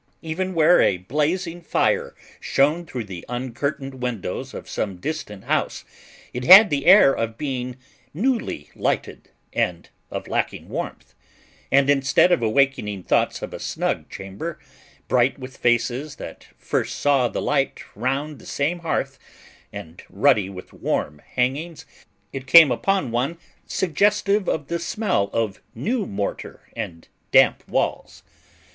Even where a blazing fire shone through the uncurtained windows of some distant house, it had the air of being newly lighted, and of lacking warmth; and instead of awakening thoughts of a snug chamber, bright with faces that first saw the light round that same hearth, and ruddy with warm hangings, it came upon one suggestive of the smell of new mortar and damp walls.